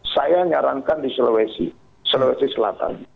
saya nyarankan di sulawesi sulawesi selatan